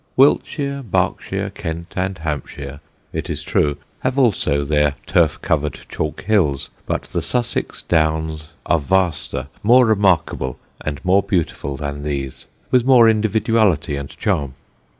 Wiltshire, Berkshire, Kent and Hampshire, it is true, have also their turf covered chalk hills, but the Sussex Downs are vaster, more remarkable, and more beautiful than these, with more individuality and charm.